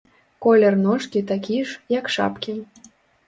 Колер ножкі такі ж, як шапкі.